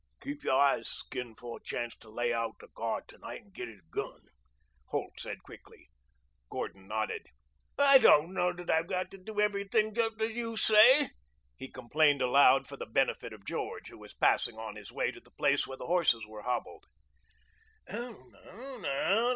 "Keep your eyes skinned for a chance to lay out the guard to night and get his gun," Holt said quickly. Gordon nodded. "I don't know that I've got to do everything just as you say," he complained aloud for the benefit of George, who was passing on his way to the place where the horses were hobbled.